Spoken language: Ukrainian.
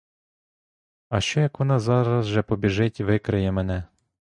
А що, як вона зараз же побіжить викриє мене?